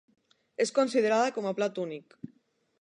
És considerada com a plat únic.